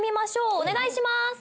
お願いします。